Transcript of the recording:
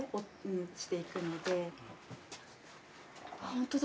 本当だ。